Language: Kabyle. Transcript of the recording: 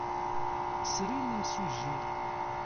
Srin imsujji.